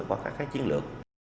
qua các cái chiến lược